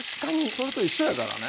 それと一緒やからね。